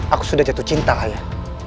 aku sudah jatuh cinta ayah